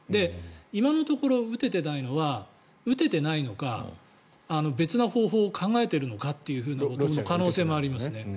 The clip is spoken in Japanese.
今のところ撃ててないのは撃ててないのか別な方法を考えているのかという可能性もありますね。